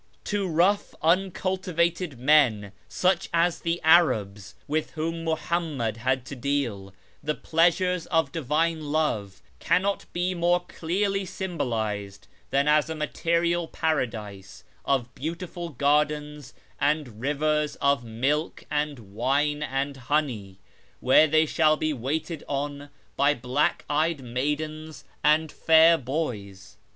To rough uncultivated men, such as the Arabs with whom Muhammad had to deal, the pleasures of Divine Love cannot be more clearly symbolised than as a material paradise of beautiful gardens and rivers of milk and wine and honey, where they shall be waited on by black eyed maidens and fair boys.